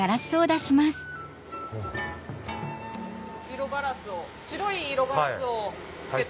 色ガラスを。